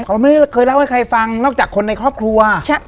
เขาไม่ได้เคยเล่าให้ใครฟังนอกจากคนในครอบครัว